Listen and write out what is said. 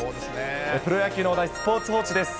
プロ野球の話題、スポーツ報知です。